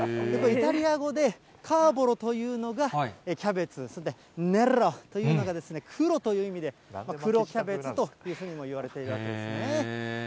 イタリア語で、カーボロというのがキャベツで、ネロというのが黒という意味で、黒キャベツというふうにもいわれているわけですね。